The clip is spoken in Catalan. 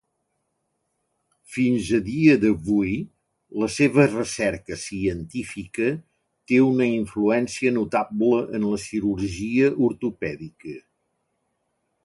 Fins a dia d'avui, la seva recerca científica té una influència notable en la cirurgia ortopèdica.